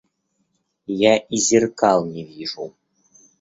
Я и зеркал не вижу.